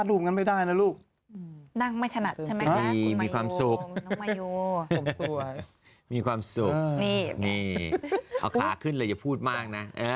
เรื่องของคุณเอก